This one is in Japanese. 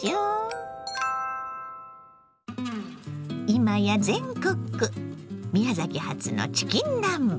今や全国区宮崎発のチキン南蛮。